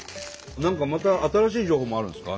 何かまた新しい情報もあるんですか？